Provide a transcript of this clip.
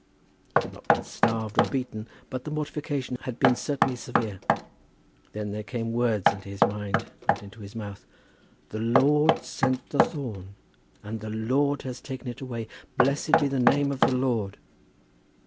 He had not been starved or beaten, but the mortification had been certainly severe. Then there came words into his mind, not into his mouth "The Lord sent the thorn, and the Lord has taken it away. Blessed be the name of the Lord."